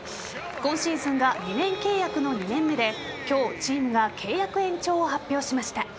今シーズンが２年契約の２年目で今日、チームが契約延長を発表しました。